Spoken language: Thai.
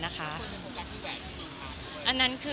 นะครับ